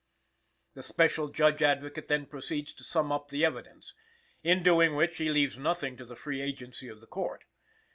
The Special Judge Advocate then proceeds to sum up the evidence, in doing which he leaves nothing to the free agency of the Court.